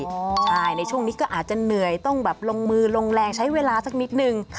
ใช่ในช่วงนี้ก็อาจจะเหนื่อยต้องแบบลงมือลงแรงใช้เวลาสักนิดนึง